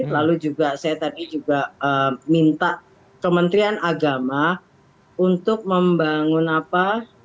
lalu juga saya tadi juga minta kementerian agama untuk membangun apa